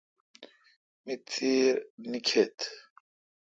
می تیر نیکیتھ۔